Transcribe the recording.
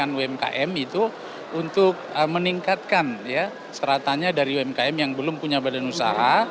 kementerian hukum dan ham itu untuk meningkatkan seratannya dari umkm yang belum punya badan usaha